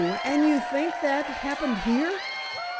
And you think that happened here?"